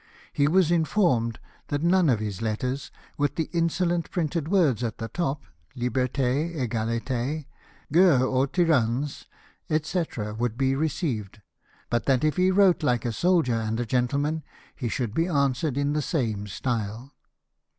He was informed that none of his letters, with the insolent printed words at the top, Liherte, Sgalite, Guerre aux Tyrant, &c., would be received, but that if he wrote like a soldier and a gentleman he should be answered in the same style.